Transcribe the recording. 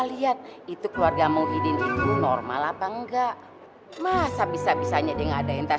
lihat itu keluarga muhyiddin itu normal apa enggak masa bisa bisanya dengan ada yang tas